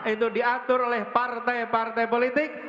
itu diatur oleh partai partai politik